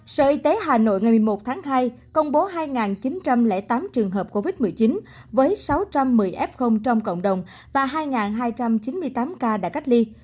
sở y tế hà nội ngày một mươi một tháng hai công bố hai chín trăm linh tám trường hợp covid một mươi chín với sáu trăm một mươi f trong cộng đồng và hai hai trăm chín mươi tám ca đã cách ly